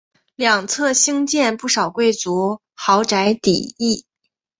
两侧兴建不少贵族豪宅府邸。